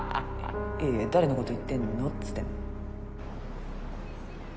いやいや誰のこと言ってんのっつってんの。